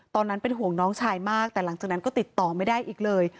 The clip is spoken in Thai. ตอนนั้นเป็นห่วงน้องชายมากแต่หลังจากนั้นก็ติดต่อไม่ได้อีกเลย